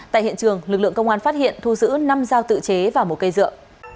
tại hiện trường lực lượng công an phát hiện thu giữ năm dao tự chế và một cây dựa